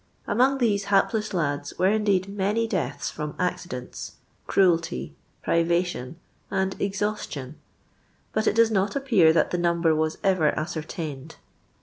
Among these hapless lads were indeed many deaths from accidents, cruelty, pri\'ation, and ex haostiou, but it does not appear that the number was ever ascertained.